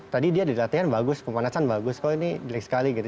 tadi dia dilatihan bagus pemanasan bagus kok ini jelek sekali gitu